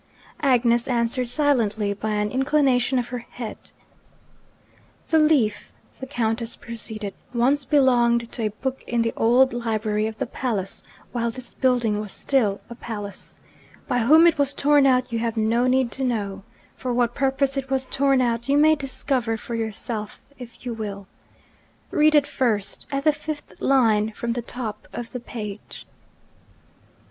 Agnes answered silently by an inclination of her head. 'The leaf,' the Countess proceeded, 'once belonged to a book in the old library of the palace, while this building was still a palace. By whom it was torn out you have no need to know. For what purpose it was torn out you may discover for yourself, if you will. Read it first at the fifth line from the top of the page.'